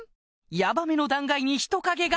ヤバめの断崖に人影が！